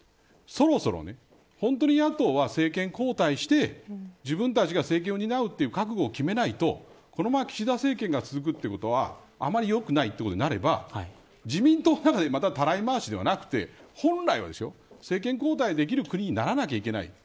そろそろ本当に野党は政権交代して自分たちが政権を担うという覚悟を決めないとこのまま岸田政権が続くということはあまり良くないということになれば自民党の中でまた、たらい回しではなくて本来は政権交代できる国にならなければいけない。